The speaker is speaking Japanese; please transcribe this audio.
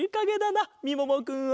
なみももくんは。